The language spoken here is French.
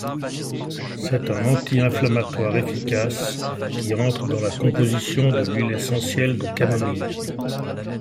C'est un anti-inflammatoire efficace qui entre dans la composition de l'huile essentielle de camomille.